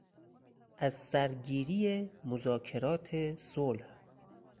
از سرگیری مذاکرات صلح